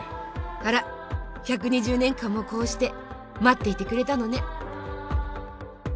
あら１２０年間もこうして待っていてくれたのね。